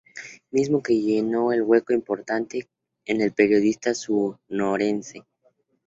Mismo que llenó un hueco importante en el periodismo sonorense.